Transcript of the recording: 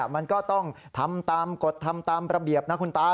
มันก็ต้องทำตามกฎทำตามระเบียบนะคุณตา